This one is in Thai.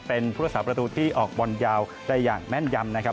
เป็นผู้รักษาประตูที่ออกบอลยาวได้อย่างแม่นยำนะครับ